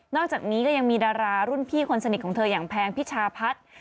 อกจากนี้ก็ยังมีดารารุ่นพี่คนสนิทของเธออย่างแพงพิชาพัฒน์